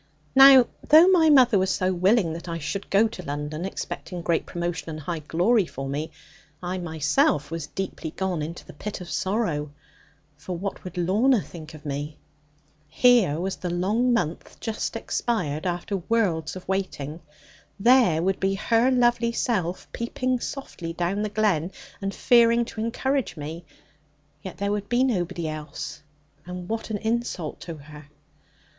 Now though my mother was so willing that I should go to London, expecting great promotion and high glory for me, I myself was deeply gone into the pit of sorrow. For what would Lorna think of me? Here was the long month just expired, after worlds of waiting; there would be her lovely self, peeping softly down the glen, and fearing to encourage me; yet there would be nobody else, and what an insult to her!